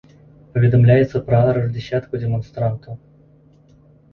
Паведамляецца пра арышт дзясяткаў дэманстрантаў.